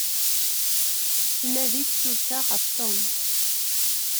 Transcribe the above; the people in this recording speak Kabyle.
Tettnadi tsulta ɣef Tom.